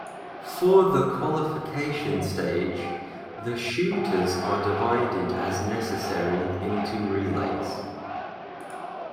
For the qualification stage, the shooters are divided as necessary into relays.